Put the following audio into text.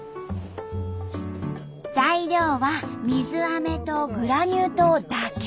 材料は水アメとグラニュー糖だけ。